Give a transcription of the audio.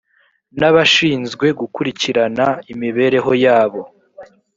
n abashinzwe gukurikirana imibereho yayo